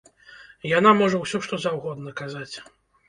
Яна можа ўсё што заўгодна казаць.